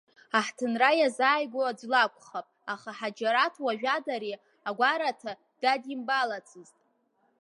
Аҳҭынра иазааигәоу аӡә лакәхап, аха Ҳаџьараҭ уажәада ари агәараҭа дадимбалацызт.